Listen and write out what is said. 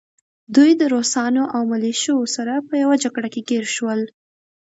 دوی د روسانو او ملیشو سره په يوه جګړه کې ګیر شول